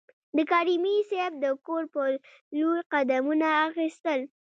د کریمي صیب د کور په لور قدمونه اخیستل.